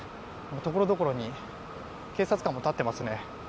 ところどころに警察官も立っていますね。